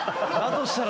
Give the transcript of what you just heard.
としたら